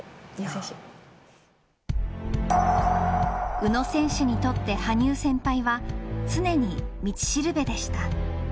宇野選手にとって羽生先輩は常に道しるべでした。